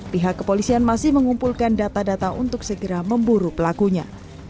pihak kepolisian masih mengumpulkan data data untuk segera memburu pelakunya